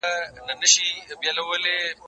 زه به سبا انځور ګورم وم؟